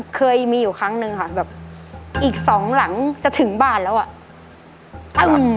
เคยมีอยู่ครั้งหนึ่งค่ะอีก๒หลังจะถึงบ้านแล้ว